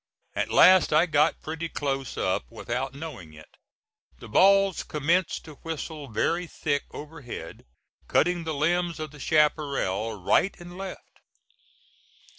At last I got pretty close up without knowing it. The balls commenced to whistle very thick overhead, cutting the limbs of the chaparral right and left.